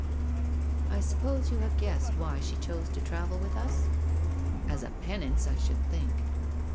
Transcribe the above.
' I suppose you have guessed why she chose to travel with us ?'' As a penance, I should think.'